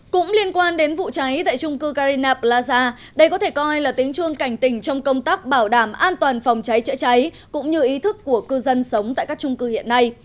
cũng liên quan đến vụ cháy tại trung cư carina plaza đây có thể coi là tiếng chuông cảnh tỉnh trong công tác bảo đảm an toàn phòng cháy chữa cháy cũng như ý thức của cư dân sống tại các trung cư hiện nay